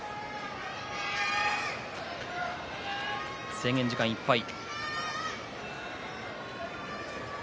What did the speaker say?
制限時間いっぱい。